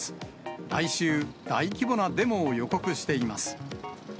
来週、大規模なデモを予告しています。